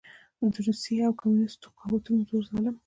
د روسي او کميونسټو قوتونو زور ظلم